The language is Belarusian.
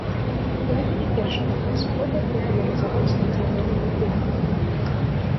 Гэта не першая такая спроба папулярызаваць нацыянальную кухню.